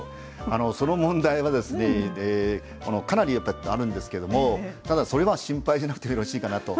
その問題はですね、かなりあるんですけどそれは心配にならなくてよろしいかなと。